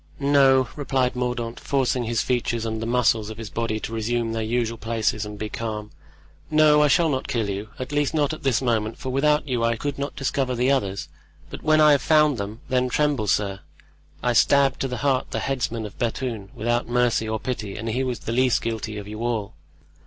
"No," replied Mordaunt, forcing his features and the muscles of his body to resume their usual places and be calm; "no, I shall not kill you; at least not at this moment, for without you I could not discover the others. But when I have found them, then tremble, sir. I stabbed to the heart the headsman of Bethune, without mercy or pity, and he was the least guilty of you all."